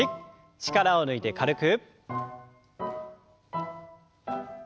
力を抜いて軽く。